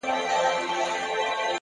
د گناهونو شاهدي به یې ویښتان ورکوي;